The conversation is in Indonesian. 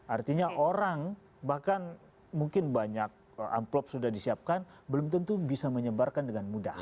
artinya orang bahkan mungkin banyak amplop sudah disiapkan belum tentu bisa menyebarkan dengan mudah